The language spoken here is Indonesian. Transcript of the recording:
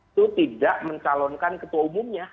itu tidak mencalonkan ketua umumnya